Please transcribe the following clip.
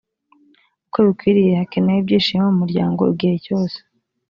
uko bikwiriye hakenewe ibyishimo mu muryango igihe cyose